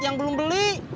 yang belum beli